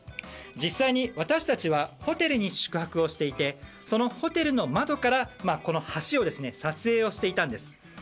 実際に私たちはホテルに宿泊していてそのホテルの窓から橋を撮影していたんです。